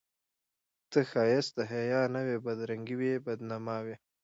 ته ښایست د حیا نه وې بدرنګي وې بد نما وې